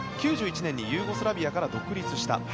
９１年にユーゴスラビアから独立した。